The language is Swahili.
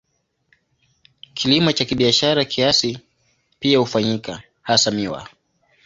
Kilimo cha kibiashara kiasi pia hufanyika, hasa miwa.